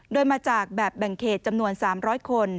โดยมาจากแบบแบ่งเขตจำนวน๓๐๐คน